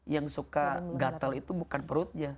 yang suka gatel itu bukan perutnya